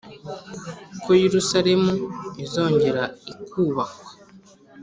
ko yerusaremu izongera ikubakwa